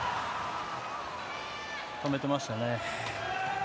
止めてましたね。